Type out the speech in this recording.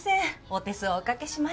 お手数おかけしました。